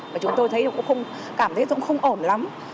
và chúng tôi cảm thấy cũng không ổn lắm